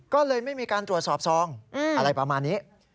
ก็เลยไม่มีการตรวจสอบซองอะไรประมาณนี้